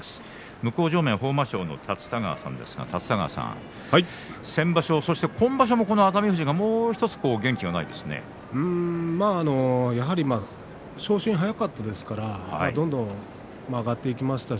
向正面豊真将の立田川さん先場所、そして今場所もこの熱海富士がもうひとつやはり昇進が早かったですからどんどん上がっていきましたし